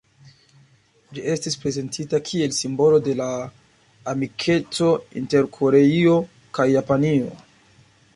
Ĝi estis prezentita kiel "simbolo de la amikeco inter Koreio kaj Japanio".